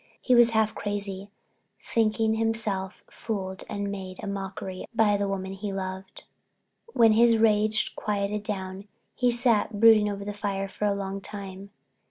He was half crazy, thinking himself fooled and made a mock of by the woman he had loved. When his rage quieted down he sat brooding over the fire for a long time.